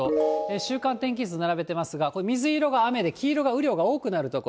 週間天気図並べてますが、これ、水色が雨で、黄色が雨量が多くなる所。